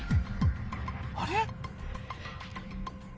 あれ？